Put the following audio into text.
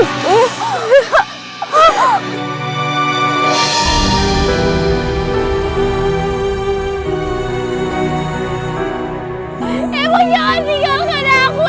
ibu jangan tinggalkan aku ibu